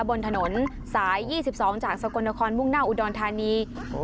บนถนนสาย๒๒จากสกลนครมุ่งหน้าอุดรธานี